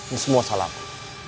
ini semua salahku